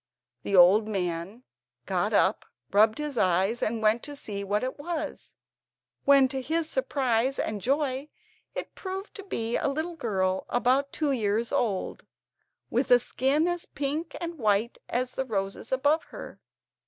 The old man got up, rubbed his eyes, and went to see what it was, when, to his surprise and joy, it proved to be a little girl about two years old, with a skin as pink and white as the roses above her.